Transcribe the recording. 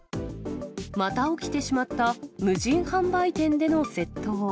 また起きてしまった無人販売店での窃盗。